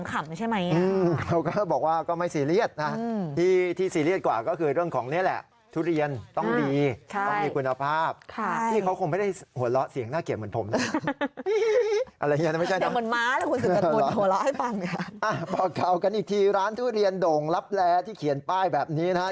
เขาเขินไหมฮือพี่คะ